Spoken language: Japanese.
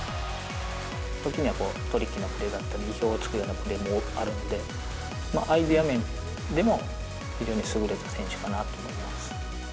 時にはトリッキーなプレーだったり、意表をつくようなプレーもあるんで、アイデア面でも非常に優れた選手かなと思います。